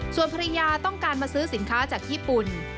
ส่วนภรรยาต้องการมาซื้อสินค้าจากญี่ปุ่น